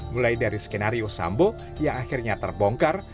mulai dari skenario sambo yang akhirnya terbongkar